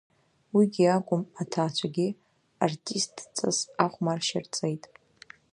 Уигьы акәым, аҭаацәагьы артистҵас ахәмаршьа рҵеит…